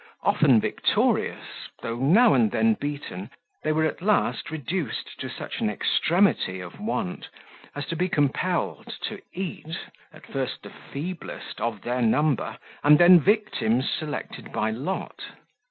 Often victorious, though now and then beaten, they were at last reduced to such an extremity of want as to be compelled to eat, at first the feeblest of their number, and then victims selected by lot.